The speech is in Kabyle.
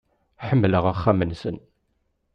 Ḥemmleɣ axxam-nsen.